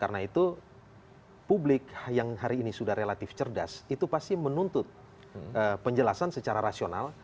karena itu publik yang hari ini sudah relatif cerdas itu pasti menuntut penjelasan secara rasional